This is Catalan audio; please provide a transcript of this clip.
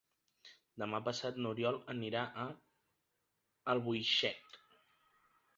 Demà passat n'Oriol anirà a Albuixec.